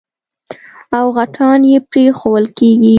او غټان يې پرېښوول کېږي.